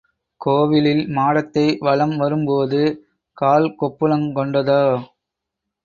கோவிலில் மாடத்தை வலம் வரும்போது கால்கொப்புளங் கொண்டதோ?